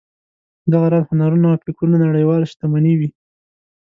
دغه راز هنرونه او فکرونه نړیواله شتمني وي.